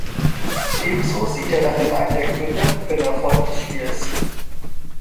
Ebenso sieht er darin einen der Gründe für den Erfolg des Spieles.